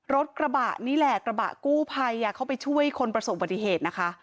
รถกระบะนี่แหละกระบะกู้ภัยเข้าไปช่วยคนประสบปฏิเหตุนะคะ